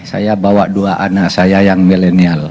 saya bawa dua anak saya yang milenial